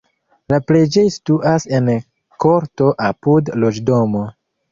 La preĝejo situas en korto apud loĝdomo.